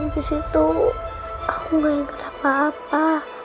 di situ aku gak ingat apa apa